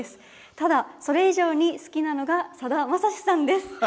ただそれ以上に好きなのがさだまさしさんです！